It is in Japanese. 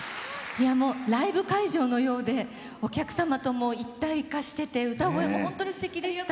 ライブ会場のようでお客様と一体化してて歌声も本当にすてきでした。